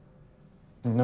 何？